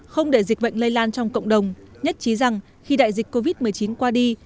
không để dịch bệnh lây lan trong cộng đồng nhất trí rằng khi đại dịch covid một mươi chín qua đi